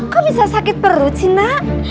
kok bisa sakit perut sih nak